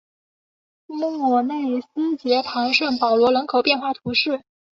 莫内斯捷旁圣保罗人口变化图示